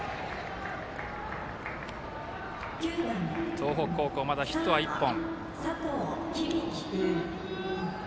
東北高校、まだヒットは１本。